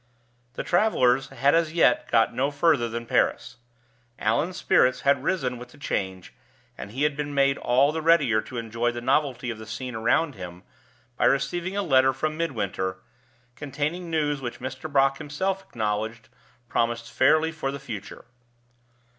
The travelers had as yet got no further than Paris. Allan's spirits had risen with the change; and he had been made all the readier to enjoy the novelty of the scene around him by receiving a letter from Midwinter, containing news which Mr. Brock himself acknowledged promised fairly for the future.